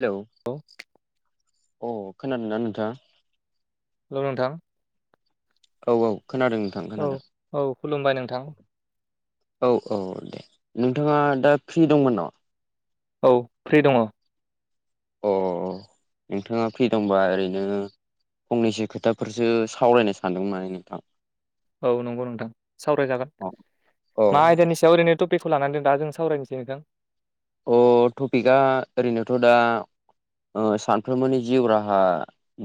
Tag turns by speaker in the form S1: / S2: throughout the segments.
S1: लौ
S2: औ
S1: अ खोनादों ना नोंथाङा?
S2: हेलौ नोंथां
S1: औ औ खोनादों नों
S2: औ औ खुलुमबाय नोंथां।
S1: औ औ दे नोंथाङा दा फ्रि दंमोन नामा?
S2: औ फ्रि दङ।
S1: अ नोंथाङा फ्रि दंबा ओरैनो फंनैसो खोथाफोरसो सावरायनो सानदों माने नोंथां।
S2: औ नंगौ नोंथां सावरायजागोन
S1: अ
S2: मा आयदानि सायाव ओरैनोथ' बेखौ लानानै दा जों सावरायनोसै नोंथां।
S1: अ टपिकआ ओरैनोथ' दा सानफ्रोमबोनि जिउ राहा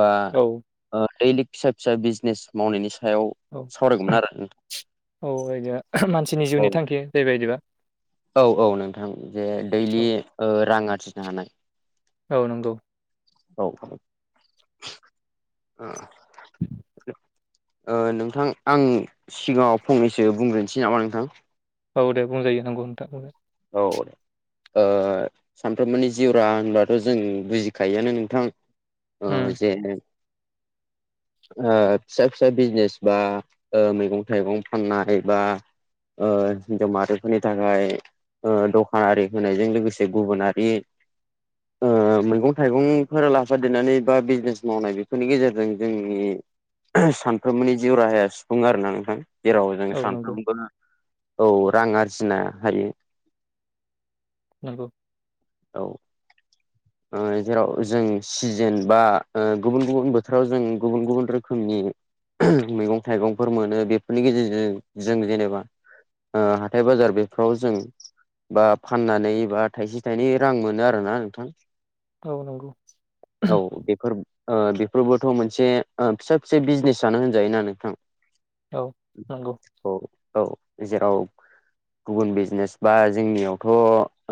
S1: बा
S2: औ
S1: दैलि फिसा फिसा बिजनेस मावनायनि सायाव
S2: औ
S1: सावरायगौमोन आरो नोंथां
S2: औ बायदिब मानसिनि
S1: औ
S2: जिउनि थांखि जाहैबायबायदिबा
S1: औ औ नोंथां जे दैलि
S2: औ
S1: रां आरजिनो हानाय
S2: औ नंगौ
S1: औ औ नोंथां आं सिगाङाव फंनैसो बुंग्रोनोसै नामा नोंथां?
S2: औ दे बुंजायो नांगौ होनथां बुं
S1: औ दे सानफ्रोमबोनि जिउरा होनब्लाथ' जों बुजिखायोआानो नोंथां ओ जे फिसा फिसा बिजनेस बा मैगं थाइगं फाननाय बा हिन्जाव माहारिफोरनि थाखाय दखानारि होनायजों लोगोसे गुबुनारि ओ मैगं थाइगंफोर लाफा देनानै बा बिजनेस मावनाय बेफोरनि गेजेरजों जोंनि सानफ्रोमबोनि जिउ राहाया सुफुङो आरो ना नोंथां जेराव जों
S2: औ नंगौ
S1: सानफ्रामबो औ रां आरजिनो हायो
S2: नंगौ
S1: औ ओ जेराव जों सिजेन बा गुबुन गुबुन बोथोराव जों गुबुन गुबुन रोखोमनि मैगं-थाइगंफोर मोनो बेफोरनि गेजेरजों जों जेनेबा ओ हाथाय-बाजार बेफ्राव जों बा फाननानै बा थाइसे थाइनै रां मोनो आरो ना नोंथां
S2: औ नंगौ।
S1: औ बेफोर ओ बेफोरबोथ' मोनसे फिसा फिसा बिजनेस जानो होनजायोना नोंथां
S2: औ नंगौ।
S1: औ औ जेराव गुबुन बिजनेस बा जोंनियावथ' ओ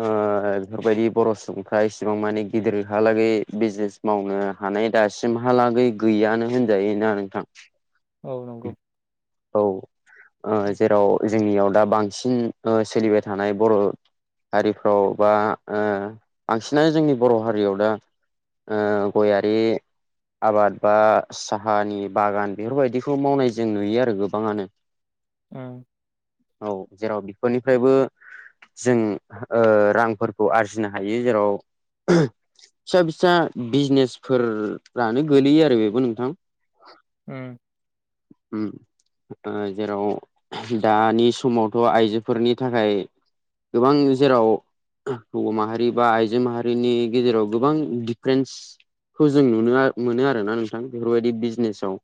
S1: बेफोरबायदि बर' सुबुंफ्रा इसेबां मानि गिदिरहालागै बिजनेस मावनो हानाय दासिमहालागै गैयानो होनजायोना नोंथां।
S2: औ नंगौ।
S1: औ ओ जेराव जोंनियाव दा बांसिन सोलिबाय थानाय बर' हारिफ्राव बा बांसिनानो जोंनि बर' हारियाव दा ओ गयारि आबाद बा साहानि बागान बेफोरबायदिखौ मावनाय जों नुयो। आरो गोबाङानो
S2: ओम
S1: औ जेराव बिफोरनिफ्रायबो जों ओ रांफोरखौ आरजिनो हायो जेराव फिसा फिसा बिजनेसफोरानो गोलैयो आरो बेबो नोंथां
S2: ओम
S1: ओम। ओ जेराव दानि समावथ' आइजोफोरनि थाखाय गोबां जेराव हौवा माहारि बा आइजो माहारिनि गेजेराव गोबां दिफ्रेन्स खौ जों नुनो मोनो आरोना नोंथां बेफोरबायदि बिजनेसाव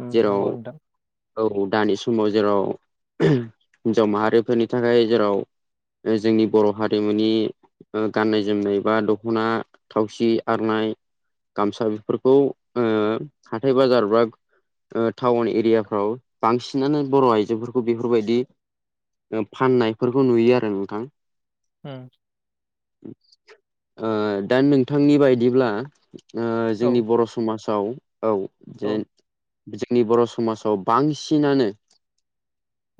S2: उम
S1: जेराव
S2: नंगौ नोंथां
S1: औ दानि समाव जेराव हिन्जाव माहारिफोरनि थाखाय जेराव जोंनि बर' हारिमुनि ओ गाननाय-जोमनाय बा दखना थावसि, आरनाय गामसा बेफोरखौ ओ हाथाय-बाजारब्रा ओ टाउन एरियाफोव बांसिनानो बर' आइजोफोरखौ बेफोरबायदि ओ फाननायफोरखौ नुयो आरो नोंथां।
S2: ओम
S1: ओ दा नोंथांनि बायदिब्ला ओ
S2: औ
S1: जोंनि बर' समाजाव औ
S2: औ
S1: जे जोंनि बर' समाजाव बांसिनानो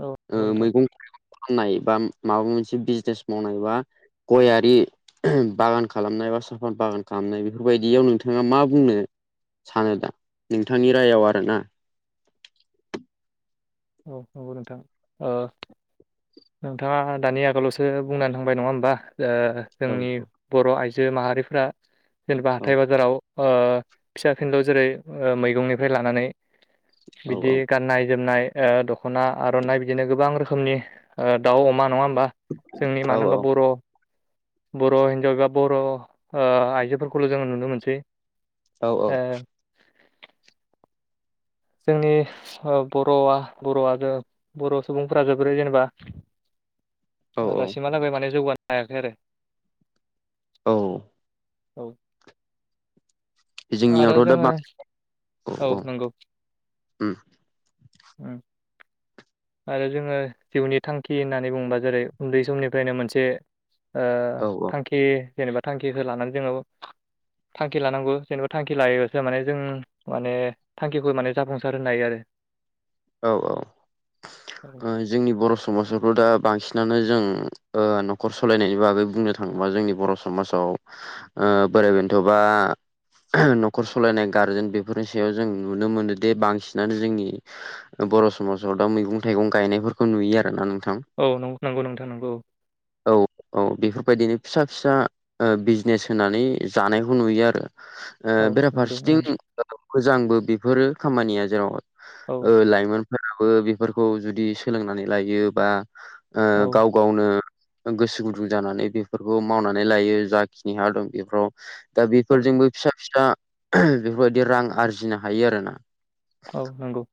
S2: औ
S1: ओ
S2: नंगौ नोंथां
S1: मैगं फाननाय बा माबा मोनसे बिजनेस मावनाय बा गयारि बागान खालामनाय बा साफा बागान खालामनाय बेफोरबायदियाव नोंथाङा मा बुंनो सानो दा नोंथांनि राययाव आरोना
S2: औ नंगौ नोंथां ओ नोंथांङा दानि आगोलावसो बुंनानै थांबाय नंङा होमबा ओ
S1: औ
S2: जोंनि बर' आइजो माहारिफ्रा जेनेबा हाथाय बाजाराव ओ फिसा फिनलु जेरै ओ मैगंनिफ्राय लानानै
S1: औ
S2: बिदि गाननाय जोमनाय ओ दख'ना, आर'नाइ बिदिनो गोबां रोखोमनि ओ दाउ अमा नङा होमबा जोंनि
S1: औ
S2: मानो होनबा बर' बर' हिनजाव एबा बर' ओ आइजोफोरखौल' जोंङो नुनो मोनसै
S1: औ औ
S2: ओ जोंनि ओ बर'आ बर'आ बर' सुबुंफोरा जोबोरै जेनेबा
S1: [inaudible] औ औ
S2: दासिमहालागै माने जौगानो हायाखै आरो
S1: औ
S2: औ आरो
S1: जोंनियावथ' दा
S2: जोङो
S1: बां
S2: औ नंगौ
S1: उम
S2: [unintelligible] आरो जोङो जिउनि थांखि होननानै बुंङोबा जेरै उन्दै समनिफ्रायनो मोनसे ओ
S1: औ औ
S2: थांखि जेनेबा थांखिखौ लानानै जोङो थांखि लानांगौ जेनेबा थांखि लायोबासो माने जों माने थांखिखौ माने जाफुंसार होनो हायो आरो
S1: औ औ माने जोंनि बर' समाजावथ' दा बांसिनानो जों ओ न'खर सलायनायनि बागै बुंनो थाङोबा जोंनि बर' स समाजाव ओ बोराय बेन्थ'बा न'खर सलायनाय गारजेन बेफोरनि सायाव जों नुनो मोनोदे बांसिनानो जोंनि बर' समाजाव दा मैगं थाइगं गायनायफोरखौ नुयो आरो ना नोंथां
S2: औ नंगौ नोंथां नंगौ
S1: औ औ बेफोरबायदिनो फिसा फिसा ओ बिजनेस होनानै जानायखौ नुयो आरो ओ
S2: औ नंगौ
S1: बेराफारसेथिं मोजांबो बेफोरो खामानिया
S2: ओं
S1: जेराव लाइमोन फोराबो बेफोरखौ जुदि सोलोंनानै लायो बा
S2: औ
S1: ओ गाव गावनो गोसो गुदुं जानानै बेफोरखौ मावनानै लायो जाखिनि हा दं बेफोराव दा
S2: औ
S1: बेफोरजोंबो फिसा फिसा बेफोरबायदि रां आरजिनो हायो आरो ना
S2: औ नंगौ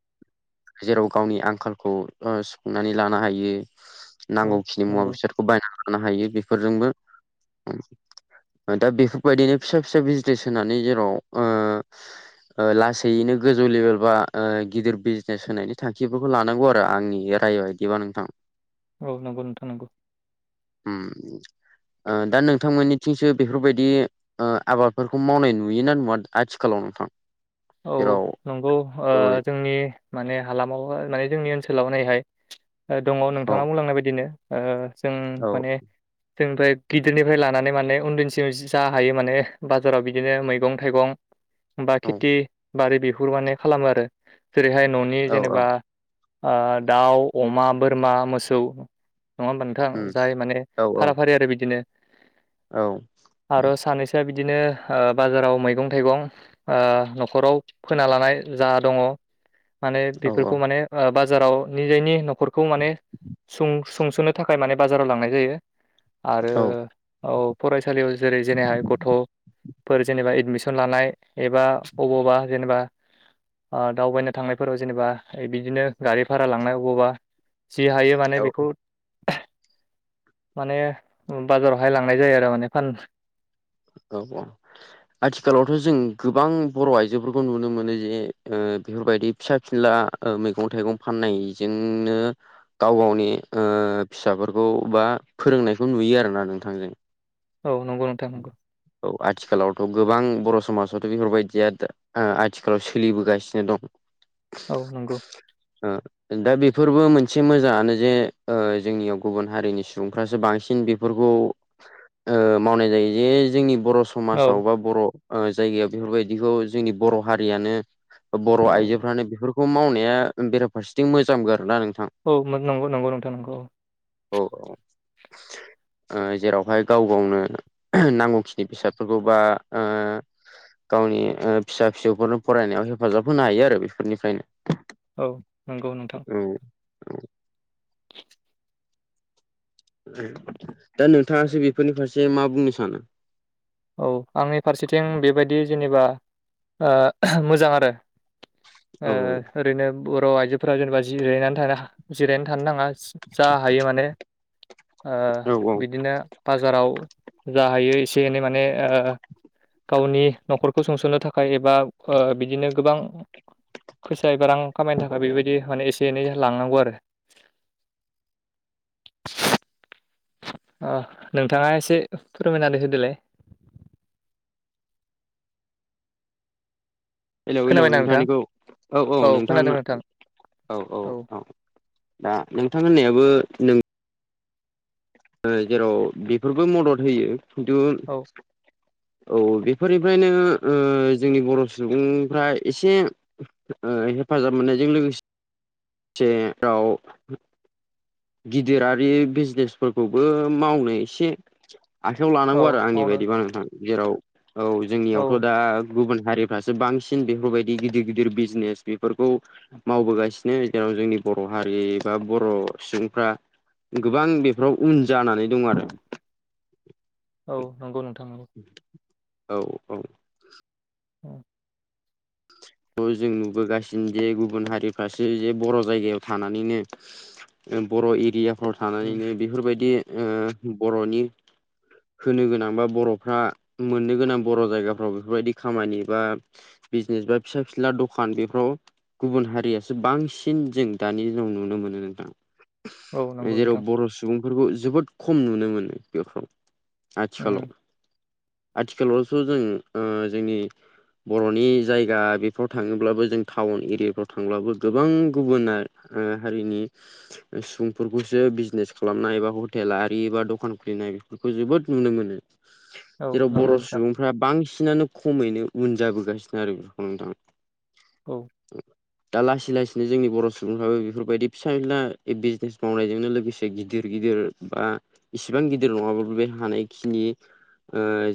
S1: जेराव गावनि आंखालखौ ओ सुफुंनानै लानो हायो
S2: औ
S1: नांगौखिनि मुवा
S2: नंगौ
S1: बेसाद खौ बायना लानो हायो बेफोरजोंबो दा बेफोरबायदिनो फिसा फिसा बिजनेस होनानै जेराव ओ ओ लासैनो गोजौ लेभेल बा ओ गिदिर बिज [unintelligible] होनायनि थांखिफोरखौ लानांगौ आरो आंनि राय बायदिबा नोंथां
S2: औ नंगौ नोंथां नंगौ
S1: उम ओ दा नोंथांमोननिथिंसो बेफोरबायदि ओ आबादफोरखौ मावनाय नुयोना नुवा आथिखालाव नोंथां
S2: औ
S1: जेराव
S2: नंगौ ओ
S1: औ
S2: जोंनि माने हालामाव माने जोंनि ओनसोलाव नायहाय दङ
S1: औ
S2: नोंथाङा बुंलांनाय बायदिनो ओ जों
S1: औ
S2: माने जोंनिफ्राय गिदिरनिफ्राय लानानै माने उन्दैनिसिम जा हायो माने बाजाराव बिदिनो मैगं थाइगं बा
S1: औ
S2: खेथि बारि बिहुर माने खालामो आरो जेरैहाय न'नि
S1: औ औ
S2: जेनेबा ओ दाउ अमा बोरमा मोसौ नङा होमबा नोंथां
S1: उम
S2: जाय माने
S1: औ
S2: फारा फारि आरो बिदिनो
S1: औ
S2: आरो सानैसोआ बिदिनो बाजाराव मैगं थाइगं ओ न'खराव फोना लानाय जा दङ माने
S1: औ
S2: बेफोरखौ माने ओ बाजाराव निजायनि न'खरखौ माने सुं संस'नो थाखाय माने बाजाराव लांनाय जायो आरो
S1: औ
S2: औ फरायसालियाव जेरै जेनेहाय गथ'फोर जेनेबा एडमिसन लानाय एबा अबावबा जेनेबा आ दावबायनो थांनायफोराव जेनेबा बिदिनो गारि भारा लांनाय अबावबा जि हायो माने
S1: औ
S2: बेखौ माने बाजारावहाय लांनाय जायो आरो माने फान
S1: औ औ आथिखालावथ' जों गोबां बर' आइजोफोरखौ नुनो मोनो जे ओ बेफोरबायदि फिसा फिनला ओ मैगं थाइगं फाननायजोंनो गाव गावनि ओ फिसाफोरखौ बा फोरोंनायखौ नुयो आरोना नोंथांजों
S2: औ नंगौ नोंथां नंगौ
S1: औ आथिखालावथ' गोबां बर' समाजावथ' बेफोरबायदिया दा आथिखालाव सोलिबोगासिनो दं
S2: औ नोंगौ
S1: ओ दा बेफोरबो मोनसे मोजाङानो जे ओ जोंनियाव गुबुन हारिनि सुबुंफ्रासो बांसिन बिफ फोरखौ मावनाय जायो जे जोंनि बर'
S2: औ
S1: समाजाव बा बर' ओ जायगायाव बेफोरबायदिखौ जोंनि बर' हारियानो बर' आइजोफ्रानो बेफोरखौ मावनाया बेराफारसेथिं मोजां आरोना नोंथां
S2: औ नंगौ नंगौ नोंथां नंगौ औ
S1: औ औ ओ जेरावहाय गाव गावनो [unintelligible] नांगौखिनि बेसादफोरखौ बा गावनि ओ फिसा फिसौफोरनो फरायनायाव हेफाजाब होनो हायो आरो बेफोरनिफ्रायनो
S2: औ नंगौ नोंथां
S1: औ दा नोंथाङासो बेफोरनि फारसे मा बुंनो सानो?
S2: औ आंनि फारसेथिं बेबायदि जेनेबा ओ मोजां आरो ओ
S1: औ
S2: ओरैनो बर' आइजोफोरा जेनबा जिरायनानै थानो जिरायनानै थानो नाङा जा हायो माने ओ
S1: औ औ
S2: बिदिनो बाजाराव जा हायो एसे एनै माने ओ गावनि न'खरखौ सुंस'नो थाख खाय एबा बिदिनो गोबां फैसा एबा रां खामायनो थाखाय बेबायदि माने एसे एनै लांनांगौ आरो ओ नोंथाङा एसे फोरमायनानै होदोलाय
S1: हेलौ हेलौ
S2: खोनाबायना नोंथां
S1: नोंथांनिखौ औ औ नोंथां औ औ औ दा नोंथां होननायाबो नों ओ जेराव बेफोरबो मदद होयो खिन्तु
S2: औ
S1: [inaudible] औ बेफोरनिफ्रायनो जोंनि बर' सुबुंफ्रा एसे ओ हेफाजाब मोननायजों लोगोसे आव गिदिरारि बिजनेसफोरखौबो मावनो एसे आखाइयाव
S2: औ
S1: लानांगौ आरो आंनि
S2: मावनो
S1: बायदिबा नोंथां जेराव औ
S2: औ
S1: जोंनियावथ' दा गुबुन हारिफ्रासो बांसिन बेफोरबायदि गिदिर गिदिर बिजनेस बिफोरखौ मावबोगासिनो जेराव जोंनि बर' हारि बा बर' सुबुं फ्रा गोबां बेफोराव उन जानानै दं आरो
S2: औ नंगौ नोंथां नगौ
S1: औ औ
S2: उम
S1: बे जों नुबोगासिनो जे गुबुन हारिफ्रासो जे बर' जायगायाव थानानैनो बर' एरियाफ्राव
S2: उम
S1: थानानैनो बेफोरबायदि बर'नि होनो गोनां बा बर'फ्रा मोननो गोनां बर' जायगाफ्राव बेफोरबायदि खामानि बा बिजनेस बा फिसा फिनला दखान बेफ्राव गुबुन हारियासो बांसिन जों दानि दिनाव नुनो मोनो नोंथां
S2: औ नंगौ
S1: जेराव
S2: नोंथां
S1: बर' सुबुंफोरखौ जोबोद खम नुनो मोनो बेफ्राव
S2: उम
S1: आथिखालाव आथिखालावथ' जों जोंनि बर'नि जायगा बेफ्राव थाङोब्लाबो जों टाउन एरियाफ्राव थांब्लाबो गोबां गुबुन हारिनि सुबुंफोरखौसो बिजनेस खालामनाय एबा हटेल आरि एबा दखान खुलिनाय बेखौ जोबोद नुनो मोनो
S2: औ
S1: जेराव
S2: नंगौ
S1: बर'
S2: नोंथां
S1: सुबुंफ्रा बांसिनानो खमैनो उन जाबोगासिनो आरो बेफोरखौ नोंथां
S2: औ
S1: औ [unintelligible] दा लासै लासैनो जोंनि बर' सुबुंफ्राबो बेफोरबायदि फिसा फिला बिजनेस मावनायजोंनो लोगोसे गिदिर गिदिर बा इसिबां गिदिर नङाबो बे हानायखिनि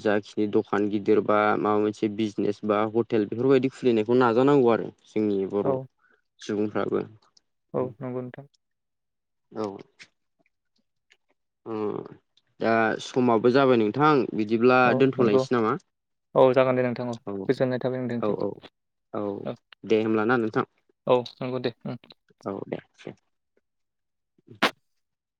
S1: जाखिनि दखान गिदिर बा माबा मोनसे बिजनेस बा हटेल बेफोरबायदि खुलिनायखौ नाजानांगौ आरो जोंनि
S2: औ
S1: बर' सुबुंफ्राबो
S2: औ नंगौ नोंथां
S1: औ ओम दा समाबो जाबाय नोंथां बिदिब्ला
S2: औ नंगौ
S1: दोनथ'लायनोसै नामा
S2: औ जागोन दे नोंथां औ गोजोननाय थाबाय
S1: औ
S2: नोंथांसिम
S1: औ औ दे होमब्ला ना नोंथां
S2: औ नंगौ दे उम
S1: औ दे दे